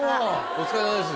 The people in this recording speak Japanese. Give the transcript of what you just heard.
お疲れさまです。